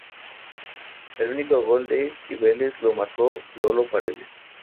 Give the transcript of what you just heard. El último gol del Cibeles lo marcó Lolo Paredes.